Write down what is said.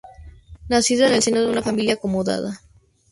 Nacido en el seno de una familia acomodada.